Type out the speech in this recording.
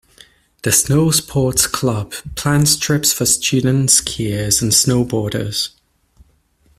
The Snowsports Club plans trips for student skiers and snowboarders.